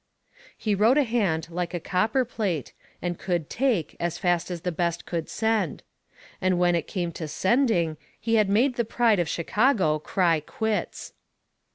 He wrote a hand like copperplate and could "take" as fast as the best could send. And when it came to "sending," he had made the pride of Chicago cry quits.